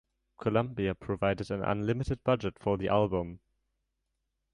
Columbia provided an unlimited budget for the album.